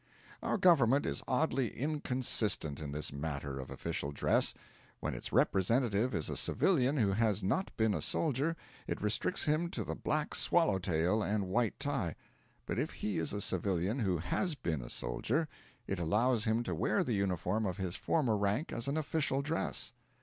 Our Government is oddly inconsistent in this matter of official dress. When its representative is a civilian who has not been a solider, it restricts him to the black swallow tail and white tie; but if he is a civilian who has been a solider, it allows him to wear the uniform of his former rank as an official dress.